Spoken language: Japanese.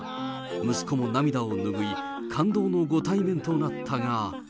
息子も涙を拭い、感動のご対面となったが。